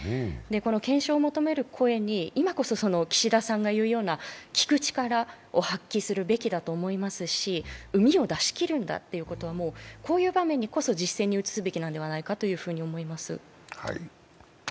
検証を求める声に今こそ岸田さんが言うよう聞く力を発揮するべきだと思いますしうみを出し切るんだと言うことはこういう場面でこそ実践に移すべきではないかと思います。